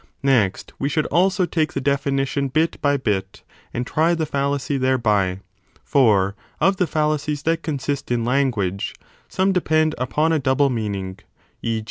Next we should also take the definition bit by bit, and try the fallacy thereby. For of the fallacies that consist in language, some depend upon a double meaning, e.